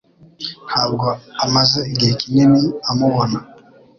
Ntabwo amaze igihe kinini amubona.